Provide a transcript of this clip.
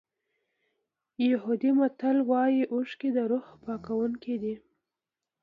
یهودي متل وایي اوښکې د روح پاکوونکي دي.